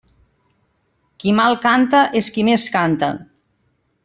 Qui mal canta és qui més canta.